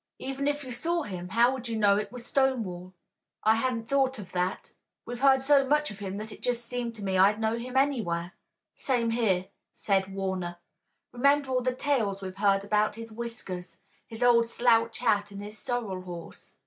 "Even if you saw him, how would you know it was Stonewall?" "I hadn't thought of that. We've heard so much of him that it just seemed to me I'd know him anywhere." "Same here," said Warner. "Remember all the tales we've heard about his whiskers, his old slouch hat and his sorrel horse."